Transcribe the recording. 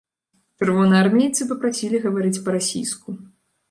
Чырвонаармейцы папрасілі гаварыць па-расійску.